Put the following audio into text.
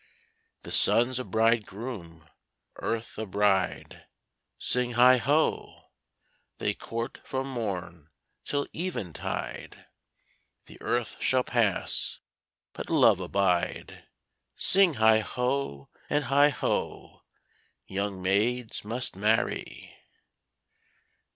The sun's a bridegroom, earth a bride; Sing heigh ho! They court from morn till eventide: The earth shall pass, but love abide. Sing heigh ho, and heigh ho! Young maids must marry.